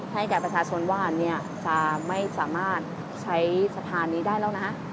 ให้แก่ประชาชนว่าจะไม่สามารถใช้สะพานนี้ได้แล้วนะ